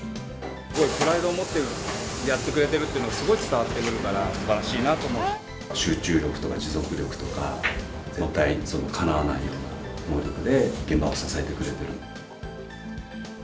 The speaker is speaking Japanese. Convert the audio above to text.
すごいプライドを持ってやってくれてるっていうのがすごい伝わってくるから、すばらしいなと集中力とか持続力とか、絶対かなわないような能力で、現場を支えてくれている。